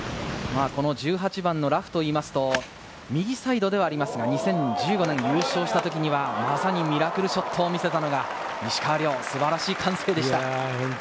前方と木１８番のラフといいますと、右サイドではありますが、２０１５年優勝したときにはまさにミラクルショットを見せたのが石川遼、素晴らしい歓声でした。